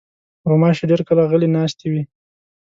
غوماشې ډېر کله غلې ناستې وي.